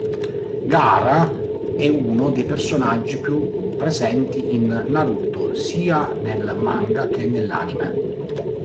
Gaara è uno dei personaggi più presenti in Naruto, sia nel manga che nell'anime.